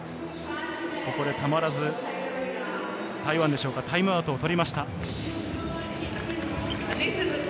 たまらず台湾でしょうか、タイムアウトをとりました。